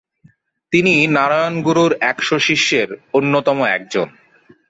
তিনি নারায়ণ গুরুর একশ শিষ্যের অন্যতম একজন।